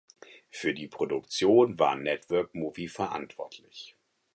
Für die Produktion war Network Movie verantwortlich.